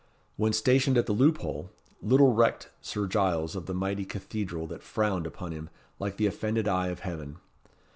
When stationed at the loophole, little recked Sir Giles of the mighty cathedral that frowned upon him like the offended eye of heaven.